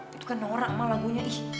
ma itu kan nora ma lagunya ih